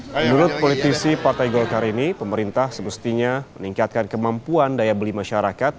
menurut politisi partai golkar ini pemerintah semestinya meningkatkan kemampuan daya beli masyarakat